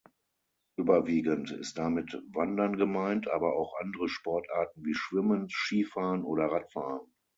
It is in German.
Überwiegend ist damit Wandern gemeint, aber auch andere Sportarten wie Schwimmen, Skifahren oder Radfahren.